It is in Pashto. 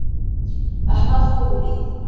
احمد خوب ولید